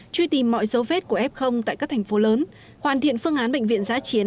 truy tìm mọi dấu vết của f tại các thành phố lớn hoàn thiện phương án bệnh viện giã chiến